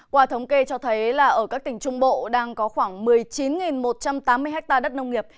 qua thống kê cho thấy là ở các tỉnh trung bộ đang có khoảng một mươi chín một trăm tám mươi ha đất nông nghiệp